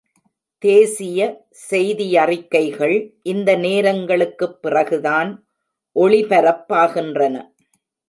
தேசிய செய்தியறிக்கைகள் இந்த நேரங்களுக்குப் பிறகுதான் ஒளிபரப்பாகின்றன.